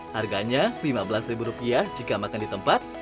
harganya lima belas rupiah jika makan di tempat